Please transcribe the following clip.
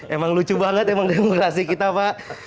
emang lucu banget emang demokrasi kita pak